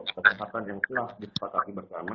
kesempatan yang telah disepakati bersama